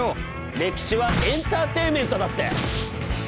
歴史はエンターテインメントだって！